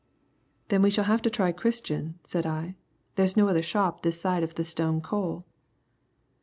"Then we shall have to try Christian," said I; "there's no other shop this side of the Stone Coal."